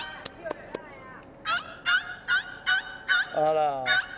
あら。